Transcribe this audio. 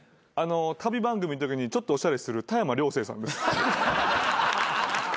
旅番組のときにちょっとおしゃれする田山涼成さんです。